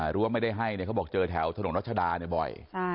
หรือว่าไม่ได้ให้เขาบอกเจอแถวถนนรัชดาบ่อย